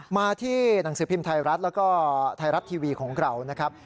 มาที่หนังสือพรีมไทยรัฐแล้วก็ไทยรัฐทีวีของเรา